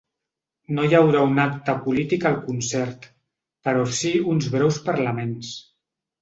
No hi haurà un acte polític al concert, però sí uns breus parlaments.